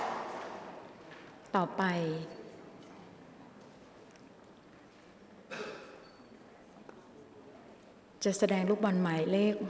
กรรมการท่านที่ห้าได้แก่กรรมการใหม่เลขเก้า